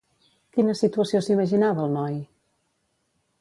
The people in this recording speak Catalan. Quina situació s'imaginava el noi?